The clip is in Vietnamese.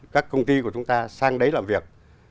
các công ty của chúng ta sang đấy làm việc